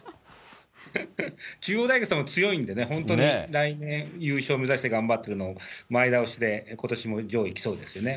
中央大学さんも強いんでね、本当に、来年優勝目指して頑張ってるのを前倒しで、ことしも上位きそうですよね。